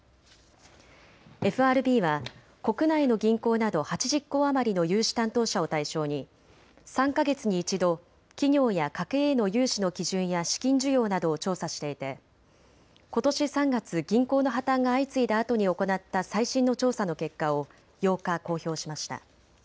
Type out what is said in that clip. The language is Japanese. ＦＲＢは国内の銀行など８０行余りの融資担当者を対象に３か月に１度、企業や家計への融資の基準や資金需要などを調査していてことし３月、銀行の破綻が相次いだあとに行った最新の調査の結果を８日公表しました。